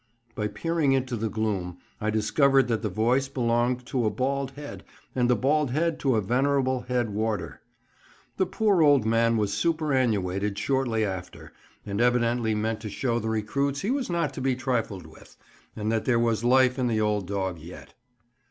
By peering into the gloom I discovered that the voice belonged to a bald head, and the bald head to a venerable head warder. The poor old man was super annuated shortly after, and evidently meant to show the recruits he was not to be trifled with, and that there was life in the old dog yet.